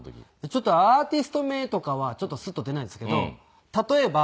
ちょっとアーティスト名とかはスッと出ないんですけど例えば。